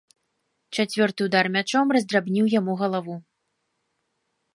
Чацвёрты ўдар мячом раздрабніў яму галаву.